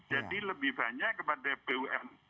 jadi lebih banyak kepada bums